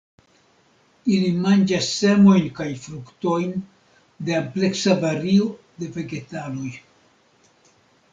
Ili manĝas semojn kaj fruktojn de ampleksa vario de vegetaloj.